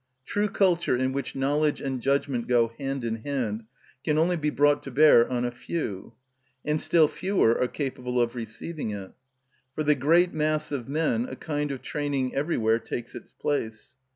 True culture, in which knowledge and judgment go hand in hand, can only be brought to bear on a few; and still fewer are capable of receiving it. For the great mass of men a kind of training everywhere takes its place.